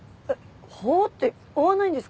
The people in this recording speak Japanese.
「ほう」って追わないんですか？